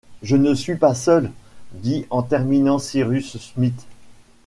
Je ne suis pas seul !… dit en terminant Cyrus Smith.